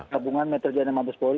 gabungan metro jaya dan mabes polri